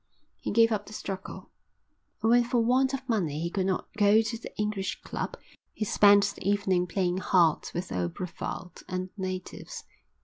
He gave up the struggle, and when for want of money he could not go to the English Club he spent the evening playing hearts with old Brevald and the natives.